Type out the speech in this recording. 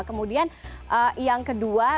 kemudian yang kedua